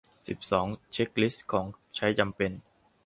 สิบสอง เช็กลิสต์ของใช้จำเป็น